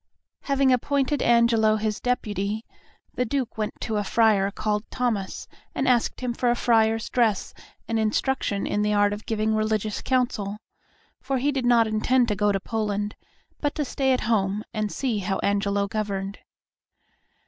Having appointed Angelo his deputy, the Duke went to a friar called Thomas and asked him for a friar's dress and instruction in the art of giving religious counsel, for he did not intend to go to Poland, but to stay at home and see how Angelo governed.